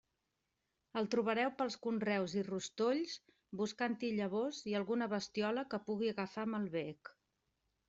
El trobareu pels conreus i rostolls buscant-hi llavors i alguna bestiola que puga agafar amb el bec.